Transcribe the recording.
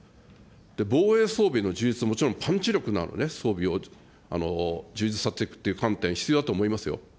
防衛装備の充実、もちろんパンチ力のあるね、装備を充実させていくという観点、必要だと思いますよ。